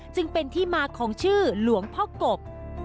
จึงเป็นที่มาของชื่อหลวงพ่อกบ